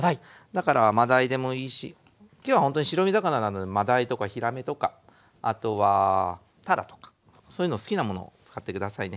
だからマダイでもいいし今日はほんとに白身魚なのでマダイとかヒラメとかあとはタラとかそういうの好きなものを使って下さいね。